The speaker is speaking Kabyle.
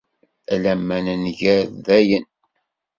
Alamma nenger dayen.